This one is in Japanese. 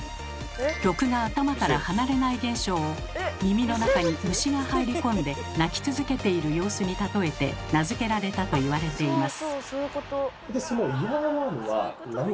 「曲が頭から離れない現象」を耳の中に虫が入り込んで鳴き続けている様子に例えて名付けられたといわれています。